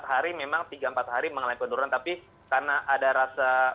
empat hari memang tiga empat hari mengalami penurunan tapi karena ada rasa